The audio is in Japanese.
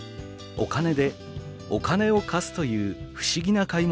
「お金でお金を貸すという不思議な買物ができます」。